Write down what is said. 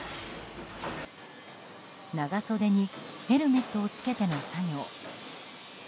長袖にヘルメットを着けての作業。